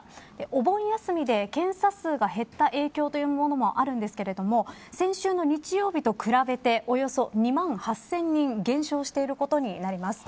お盆休みで検査数が減った影響というものもあるんですが先週の日曜日と比べておよそ２万８０００人減少していることになります。